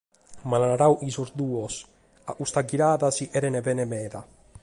M’ant naradu chi sos duos, a custa ghirada, si cherent bene meda.